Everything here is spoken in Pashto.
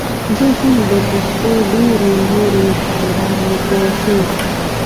زه هم د پښتو ډېرو نورو شاعرانو په څېر.